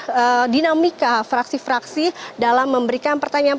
dan bagaimana nantinya dinamika fraksi fraksi dalam memberikan pertanyaan pertanyaan